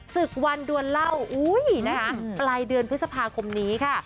ศึกวันด่วนเล่าปลายเดือนพฤษภาคมนี้ค่ะ